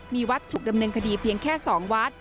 มีวัดถูกดำเนินคดีเพียงแค่๒วัด